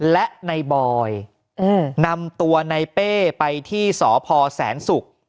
และในบอยนำตัวในเป้ไปที่สพแสนศุกร์